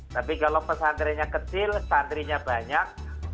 tapi kalau pesantrennya kecil santrinya banyak